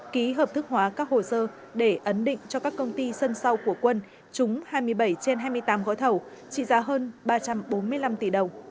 ký hợp thức hóa các hồ sơ để ấn định cho các công ty sân sau của quân trúng hai mươi bảy trên hai mươi tám gói thầu trị giá hơn ba trăm bốn mươi năm tỷ đồng